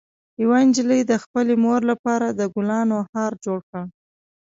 یوه نجلۍ د خپلې مور لپاره د ګلانو هار جوړ کړ.